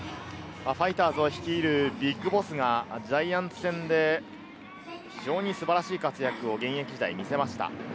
ファイターズを率いるＢＩＧＢＯＳＳがジャイアンツ戦で非常に素晴らしい活躍を現役時代に見せました。